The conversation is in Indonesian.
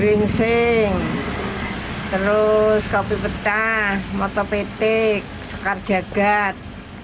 gringsing terus kopi pecah motopetik sekar jagad